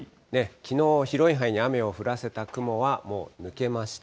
きのう広い範囲に雨を降らせた雲はもう抜けました。